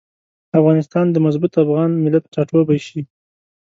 افغانستان د مضبوط افغان ملت ټاټوبی شي.